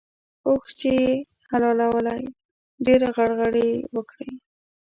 اوښ چې يې حلالوی؛ ډېرې غرغړې يې وکړې.